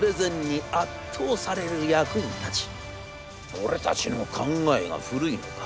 『俺たちの考えが古いのか？』。